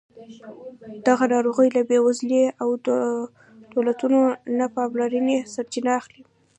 دغه ناروغۍ له بېوزلۍ او دولتونو له نه پاملرنې سرچینه اخلي.